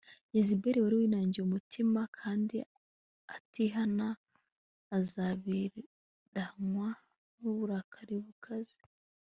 Yezebeli wari winangiye umutima kandi atihana azabiranywa nuburakari bukaze